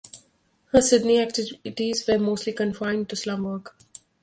Her Sydney activities were mostly confined to slum work.